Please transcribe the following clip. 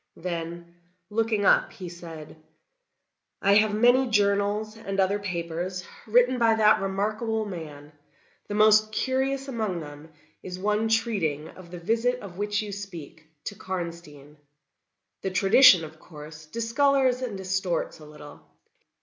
Then looking up, he said: "I have many journals, and other papers, written by that remarkable man; the most curious among them is one treating of the visit of which you speak, to Karnstein. The tradition, of course, discolors and distorts a little.